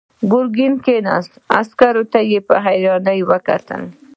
ګرګين کېناست، عسکر ته يې په حيرانۍ وکتل.